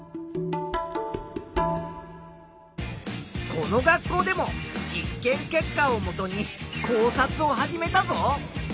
この学校でも実験結果をもとに考察を始めたぞ。